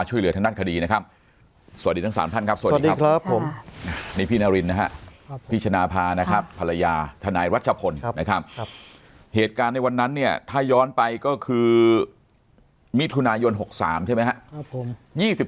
เหตุการณ์ในวันนั้นเนี่ยถ่าย้อนไปก็คือมิทุนายน๖๓ใช่ไหมครับ